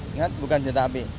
ingat bukan senjata api